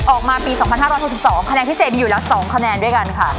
ออกมาปี๒๕๔๒คะแนนพิเศษอยู่ละ๒คะแนนด้วยกันค่ะ